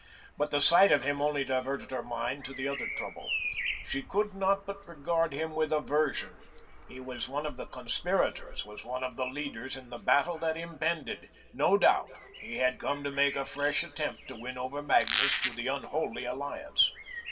But the sight of him only diverted her mind to the other trouble. She could not but regard him with aversion. He was one of the conspirators, was one of the leaders in the battle that impended; no doubt, he had come to make a fresh attempt to win over Magnus to the unholy alliance.